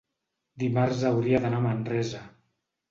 dimarts hauria d'anar a Manresa.